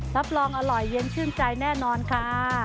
รับรองอร่อยเย็นชื่นใจแน่นอนค่ะ